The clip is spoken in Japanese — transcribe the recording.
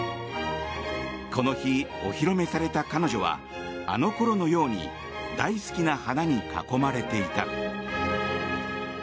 この日お披露目された彼女はあのころのように大好きな花に囲まれていた。